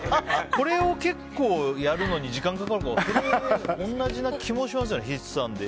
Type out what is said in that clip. これをやるのに時間がかかるから同じな気もしますよね筆算で。